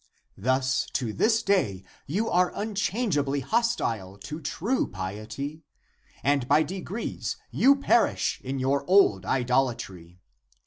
Thus to this day you are unchangeably hostile to true piety, and by degrees you perish in your old idolatry.